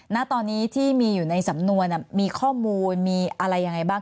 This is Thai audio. ณตอนนี้ที่มีอยู่ในสำนวนมีข้อมูลมีอะไรยังไงบ้าง